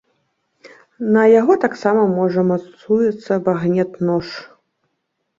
На яго таксама можа мацуецца багнет-нож.